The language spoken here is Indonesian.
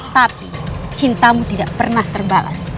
tapi cintamu tidak pernah terbalas